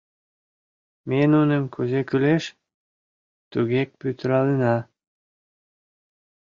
— Ме нуным кузе кӱлеш, туге пӱтыралына.